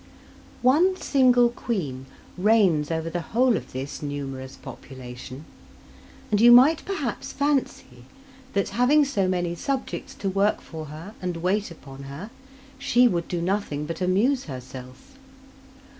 One single queen reigns over the whole of this numerous population, and you might perhaps fancy that, having so many subjects to work for her and wait upon her, she would do nothing but amuse herself.